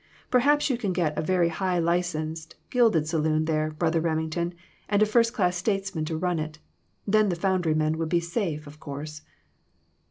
Perhaps you can get a very high licensed, gilded saloon there, Brother Remington, and a first class statesman to run it. Then the foundry men will be safe, of course